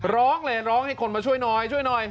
ร้องเลยร้องให้คนมาช่วยหน่อยช่วยหน่อย